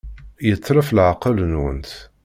Yetlef leɛqel-nwent.